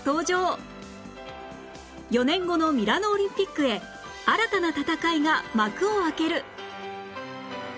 ４年後のミラノオリンピックへ新たな戦いが幕を開ける！